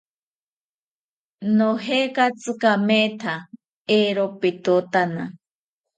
Nojekatzi kametha, eero petkotana